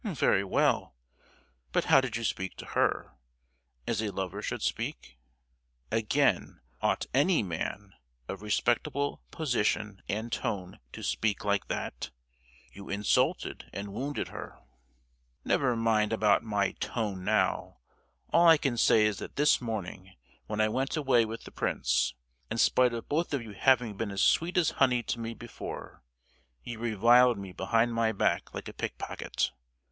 "Very well. But how did you speak to her? As a lover should speak? Again, ought any man of respectable position and tone to speak like that? You insulted and wounded her!" "Never mind about my 'tone' now! All I can say is that this morning, when I went away with the prince, in spite of both of you having been as sweet as honey to me before, you reviled me behind my back like a pickpocket!